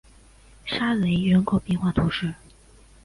沙雷人口变化图示